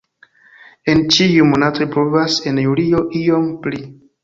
En ĉiuj monatoj pluvas, en julio iom pli.